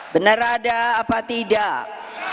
benar ada apa tidak